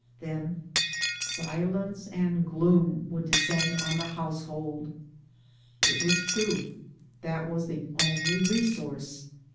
Then silence and gloom would descend on the household. It was true ; that was the only resource.